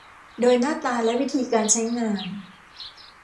โดยหน้าตาและวิธีการใช้งาน